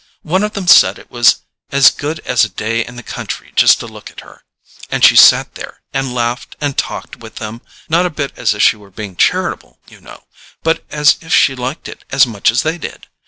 One of them said it was as good as a day in the country just to look at her. And she sat there, and laughed and talked with them—not a bit as if she were being CHARITABLE, you know, but as if she liked it as much as they did.